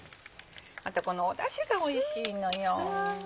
あとこのだしがおいしいのよ。